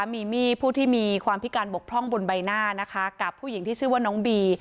มีมีดผู้ที่มีความพิการบกพร่องบนใบหน้านะคะกับผู้หญิงที่ชื่อว่าน้องบี